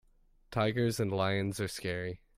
Tigers and lions are scary.